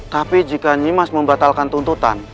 tapi jika nih mas membatalkan tuntutan